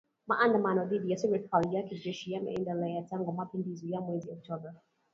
Maandamano dhidi ya serikali ya kijeshi yameendelea tangu mapinduzi ya mweziOKtoba.